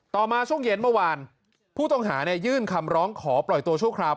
มาช่วงเย็นเมื่อวานผู้ต้องหายื่นคำร้องขอปล่อยตัวชั่วคราว